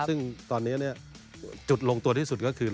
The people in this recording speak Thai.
ซึ่งตอนนี้จุดลงตัวที่สุดก็คือ